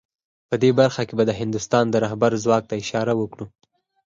په دې برخه کې به د هندوستان د رهبر ځواک ته اشاره وکړو